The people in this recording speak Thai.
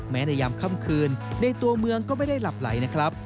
ในยามค่ำคืนในตัวเมืองก็ไม่ได้หลับไหลนะครับ